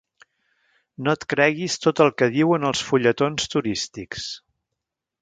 No et creguis tot el que diuen els fulletons turístics.